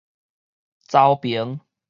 沼平